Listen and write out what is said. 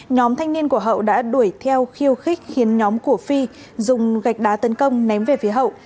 nhóm thanh niên của hậu đã đuổi theo khiêu khích khiến nhóm của phi dùng gạch đá tấn công ném về phía hậu